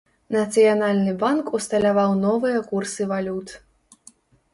Нацыянальны банк усталяваў новыя курсы валют.